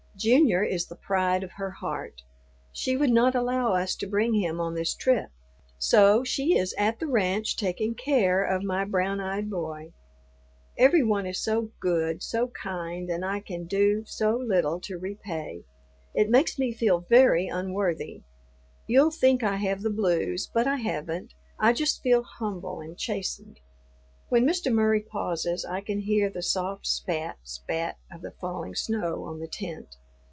Junior is the pride of her heart. She would not allow us to bring him on this trip, so she is at the ranch taking care of my brown eyed boy. Every one is so good, so kind, and I can do so little to repay. It makes me feel very unworthy. You'll think I have the blues, but I haven't. I just feel humble and chastened. When Mr. Murry pauses I can hear the soft spat, spat of the falling snow on the tent.